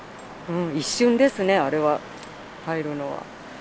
一瞬ですね、あれは、入るのは。